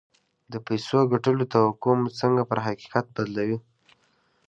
د پيسو ګټلو توقع مو څنګه پر حقيقت بدلوي؟